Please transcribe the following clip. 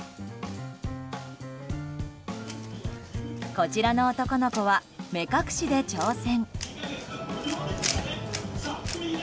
こちらの男の子は目隠しで挑戦。